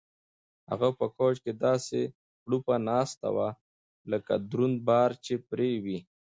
هغه په کوچ کې داسې کړوپه ناسته وه لکه دروند بار چې پرې وي.